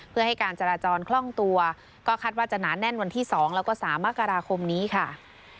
เพื่อให้การจราจรคล่องตัวก็คาดว่าจะหนาแน่นวันที่๒แล้วก็๓มกราคมนี้ค่ะ